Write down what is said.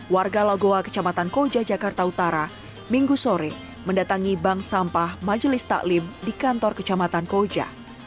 warga lagoa kecamatan koja jakarta utara minggu sore mendatangi bank sampah majelis taklim di kantor kecamatan koja